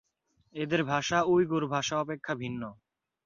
এদের ভাষা উইগুর ভাষা অপেক্ষা ভিন্ন।